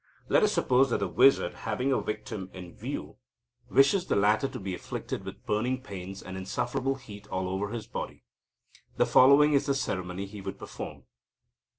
Let us suppose that the wizard, having a victim in view, wishes the latter to be afflicted with burning pains and insufferable heat all over his body. The following is the ceremony he would perform.